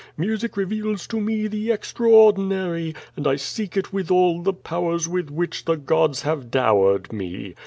Music reveals to me the extraordinary, and I seek it with all the powers with which the gods have dowered me.